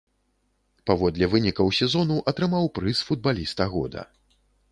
Паводле вынікаў сезону атрымаў прыз футбаліста года.